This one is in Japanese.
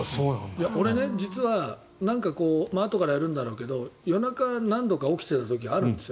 俺、実はあとからやるんだろうけど夜中、何度か起きていた時あるんですよ。